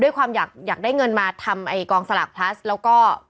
ด้วยความอยากได้เงินมาทำไอ้กองสลากพลัสแล้วก็